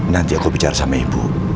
nanti aku bicara sama ibu